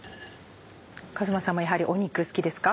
和馬さんもやはり肉好きですか？